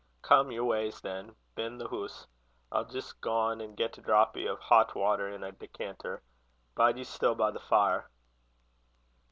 "Come yer wa's, than, ben the hoose. I'll jist gang an' get a drappy o' het water in a decanter. Bide ye still by the fire."